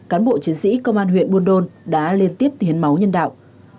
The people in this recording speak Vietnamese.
cán bộ chiến sĩ công an huyện buôn đôn đã liên tiếp hiến máu nhân đạo